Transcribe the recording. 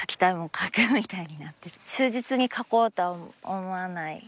忠実に描こうとは思わない。